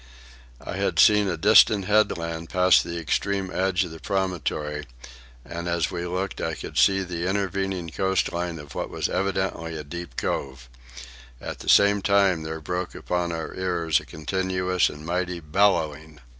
I had seen a distant headland past the extreme edge of the promontory, and as we looked we could see grow the intervening coastline of what was evidently a deep cove. At the same time there broke upon our ears a continuous and mighty bellowing.